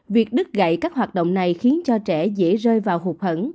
việc đứt gậy các hoạt động này khiến cho trẻ dễ rơi vào hụt hẫn